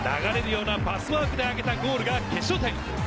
流れるようなパスワークであげたゴールが決勝点。